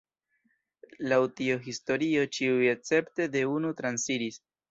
Laŭ tiu historio ĉiuj escepte de unu transiris.